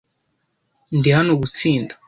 Ndi hano gutsinda.